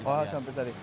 oh seperti tadi